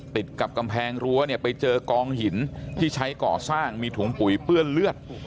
ติดกับกำแพงรั้วเนี่ยไปเจอกองหินที่ใช้ก่อสร้างมีถุงปุ๋ยเปื้อนเลือด